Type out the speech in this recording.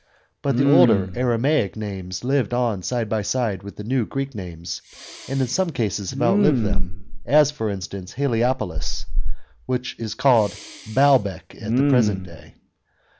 But the older Aramaic names lived on side by side with the new Greek names, and in some cases have outlived them, as, for instance, Heliopolis, which is called Baalbec at the present day.